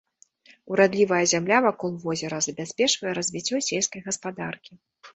Урадлівая зямля вакол возера забяспечвае развіццё сельскай гаспадаркі.